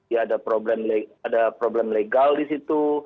ya ada problem legal di situ